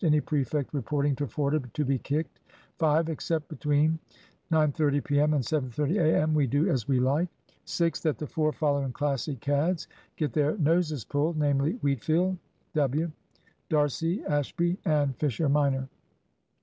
Any prefect reporting to Forder to be kicked. "5. Except between 9:30 p.m. and 7:30 a.m. we do as we like. "6. That the four following Classic cads get their noses pulled; namely Wheatfield, W., D'Arcy, Ashby, and Fisher minor.